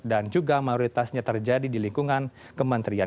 dan juga mayoritasnya terjadi di lingkungan kementerian